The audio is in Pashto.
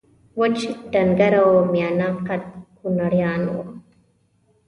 وچ ډنګر او میانه قده کونړیان وو